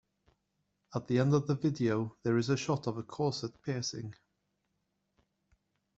At the end of the video, there is a shot of a Corset piercing.